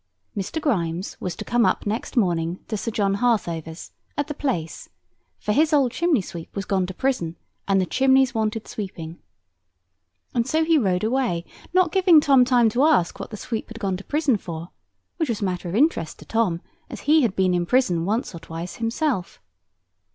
Mr. Grimes was to come up next morning to Sir John Harthover's, at the Place, for his old chimney sweep was gone to prison, and the chimneys wanted sweeping. And so he rode away, not giving Tom time to ask what the sweep had gone to prison for, which was a matter of interest to Tom, as he had been in prison once or twice himself.